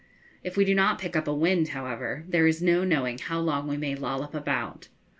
If we do not pick up a wind, however, there is no knowing how long we may lollop about.